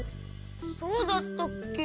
そうだったっけ？